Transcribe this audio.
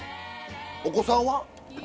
お子さんは？